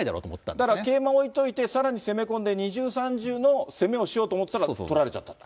だから桂馬を置いといて、さらに攻め込んで、二重、三重の攻めをしようと思ったら取られちゃったと。